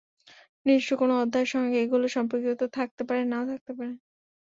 নির্দিষ্ট কোনো অধ্যায়ের সঙ্গে এগুলোর সম্পৃক্ততা থাকতেও পারে নাও থাকতে পারে।